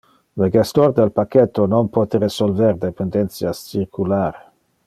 Le gestor del pacchetto non pote resolver dependentias circular.